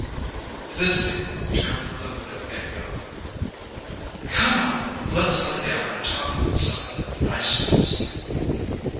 _" The visiting one turned from the window and yawned. "Come on: let's lie down and talk about some of the nice ones!"